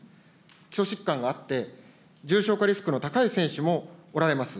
基礎疾患があって、重症化リスクの高い選手もおられます。